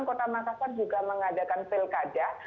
kota makassar juga mengadakan pilkada